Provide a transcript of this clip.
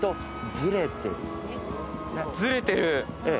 ずれてる。